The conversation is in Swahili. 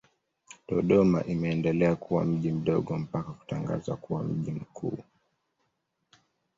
Dodoma imeendelea kuwa mji mdogo mpaka kutangazwa kuwa mji mkuu.